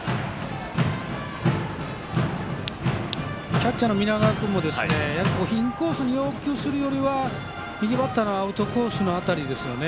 キャッチャーの南川君もインコースに要求するより右バッターのアウトコースの辺りですよね。